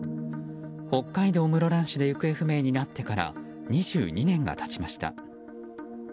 北海道室蘭市で行方不明になってから２２年が経ちました。